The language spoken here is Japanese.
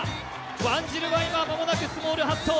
ワンジルは間もなくスモールハット。